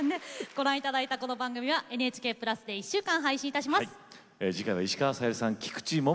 ご覧いただいたこの番組はＮＨＫプラスで１週間配信いたします。